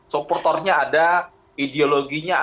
supporternya ada ideologinya ada